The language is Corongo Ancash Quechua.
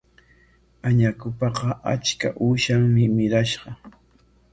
Añakupaqa achka uushanmi mirashqa.